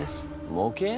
模型？